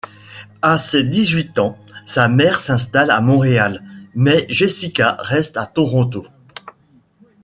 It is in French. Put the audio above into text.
À ses dix-huit ans, sa mère s'installe à Montréal, mais Jessica reste à Toronto.